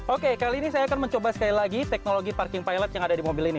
oke kali ini saya akan mencoba sekali lagi teknologi parking pilot yang ada di mobil ini